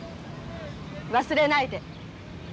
忘れないで。